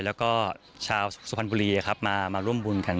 แล้วก็ชาวสุพรรณบุรีมาร่วมบุญกัน